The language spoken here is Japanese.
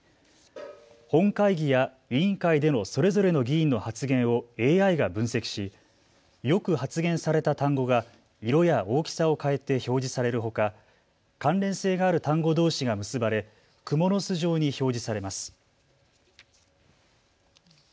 本会議や委員会でのそれぞれの議員の発言をＡＩが分析しよく発言された単語が色や大きさを変えて表示されるほか関連性がある単語どうしが結ばれくもの巣状に表示されます。